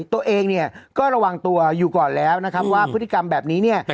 ตัวเองเนี่ยก็ระวังตัวอยู่ก่อนแล้วนะครับว่าพฤติกรรมแบบนี้เนี่ย